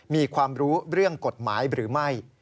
มีความรู้เรื่องกฎหมายหรือไม่